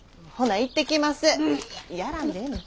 やらんでええねん。